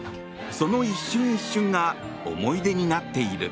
その一瞬一瞬が思い出になっている。